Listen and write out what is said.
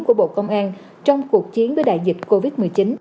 của bộ công an trong cuộc chiến với đại dịch covid một mươi chín